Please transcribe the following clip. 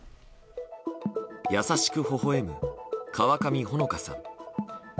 優しくほほ笑む川上穂野香さん。